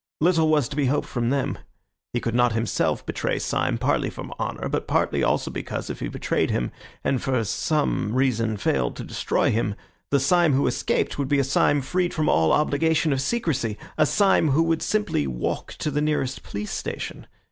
Little was to be hoped from them. He could not himself betray Syme, partly from honour, but partly also because, if he betrayed him and for some reason failed to destroy him, the Syme who escaped would be a Syme freed from all obligation of secrecy, a Syme who would simply walk to the nearest police station.